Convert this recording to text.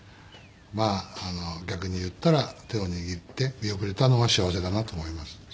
まあ逆に言ったら手を握って見送れたのは幸せだなと思います。